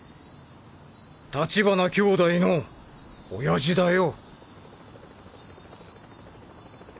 立花兄弟の親父だよ。